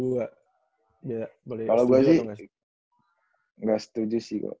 kalau gue sih gak setuju sih